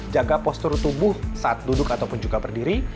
jaga postur tubuh saat duduk ataupun juga berdiri